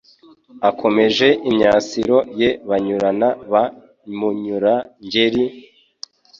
Akomeje imyasiro ye Banyurana ba Munyura-ngeri,